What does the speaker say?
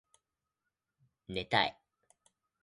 寝たい